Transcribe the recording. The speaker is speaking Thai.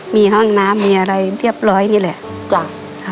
มีห้องน้ำมีอะไรเรียบร้อยนี่แหละ